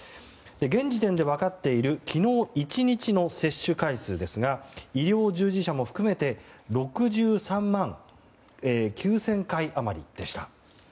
現時点で分かっている昨日１日の接種回数ですが医療従事者も含めて６３万９０００回余りでした。